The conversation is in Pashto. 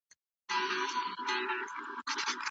که خلګ فکر وکړي، نو د دين حقيقت درک کولای سي.